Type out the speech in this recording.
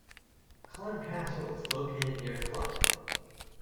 Clun Castle is located near Clun.